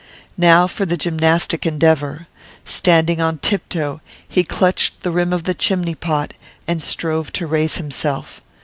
Now for the gymnastic endeavour. Standing on tiptoe, he clutched the rim of the chimney pot, and strove to raise himself.